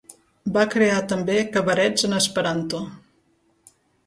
Va crear també cabarets en esperanto.